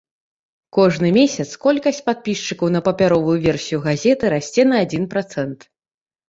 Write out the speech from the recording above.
Кожны месяц колькасць падпісчыкаў на папяровую версію газеты расце на адзін працэнт.